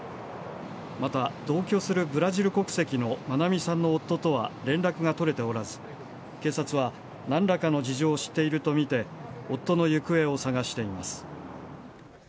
また、同居するブラジル国籍の愛美さんの夫とは連絡が取れておらず警察は何らかの事情を知っているとみて夫の行方を捜しています。